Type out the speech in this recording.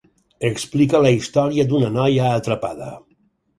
Explica la història d'una noia atrapada.